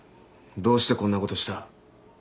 どうしてこんなことした。